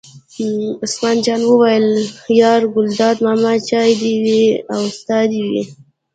عثمان جان وویل: یار ګلداد ماما چای دې وي او ستا دې وي.